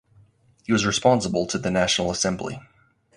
He was responsible to the National Assembly.